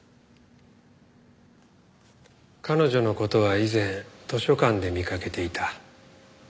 彼女の事は以前図書館で見かけていた。